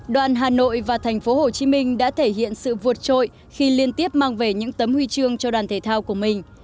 đoàn hà nội và tp hcm đã thể hiện sự vượt trội khi liên tiếp mang về những tấm huy chương cho đoàn thể thao của mình